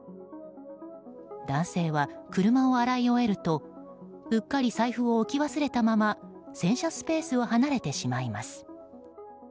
男性は車を洗い終えるとうっかり財布を置き忘れたまま洗車スペースを離れてしまいます。